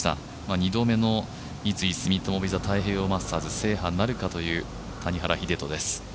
２度目の三井住友ＶＩＳＡ太平洋マスターズ制覇なるかという谷原秀人です。